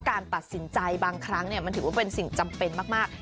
การตัดสินใจบางครั้งมันถือว่าเป็นสิ่งจำเป็นมาก